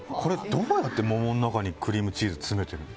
どうやって、これ桃の中にクリームチーズ詰めてるの？